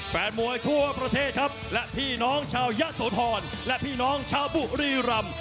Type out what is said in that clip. แฟนมวยทั่วประเทศครับและพี่น้องชาวยะโสธรและพี่น้องชาวบุรีรำ